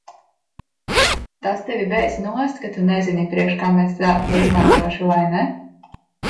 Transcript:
Tas tevi beidz nost, ka tu nezini, priekš kam es to izmantošu, vai ne?